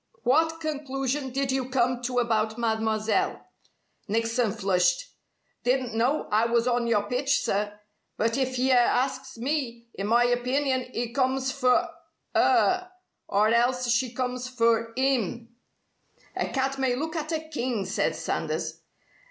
"What conclusion did you come to about Mademoiselle?" Nickson flushed. "Didn't know I was on your pitch, sir. But if yer asks me, in my opinion 'e comes for 'er. Or else she comes for 'im." "A cat may look at a king!" said Sanders.